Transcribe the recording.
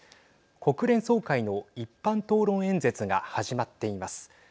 国連総会の一般討論演説が始まっています。